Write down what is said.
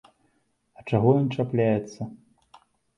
А чаго ён чапляецца?